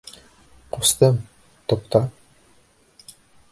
Ҡустым, туҡта.